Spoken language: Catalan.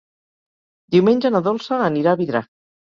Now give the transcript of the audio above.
Diumenge na Dolça anirà a Vidrà.